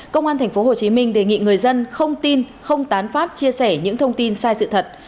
công an tp hcm đề nghị người dân không tin không tán phát chia sẻ những thông tin sai sự thật